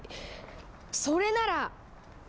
それなら！